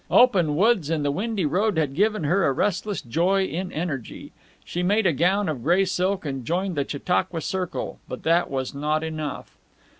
Open woods and the windy road had given her a restless joy in energy. She made a gown of gray silk and joined the Chautauqua Circle, but that was not enough.